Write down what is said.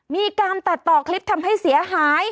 มีการตัดต่อคลิปทำให้เสียหาย